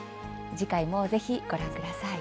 次回もぜひご覧ください。